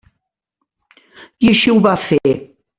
I així ho va fer.